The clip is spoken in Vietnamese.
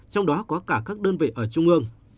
trong đó có cả các đơn vị ở trung ương